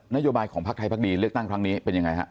โยบายของพักไทยพักดีเลือกตั้งครั้งนี้เป็นยังไงฮะ